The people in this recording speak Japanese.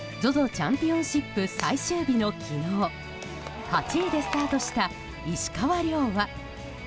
チャンピオンシップ最終日の昨日８位でスタートした石川遼は。